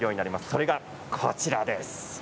それが、こちらです。